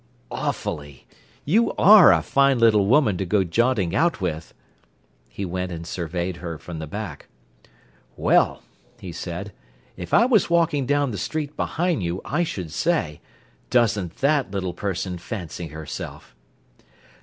"Awfully! You are a fine little woman to go jaunting out with!" He went and surveyed her from the back. "Well," he said, "if I was walking down the street behind you, I should say: 'Doesn't that little person fancy herself!"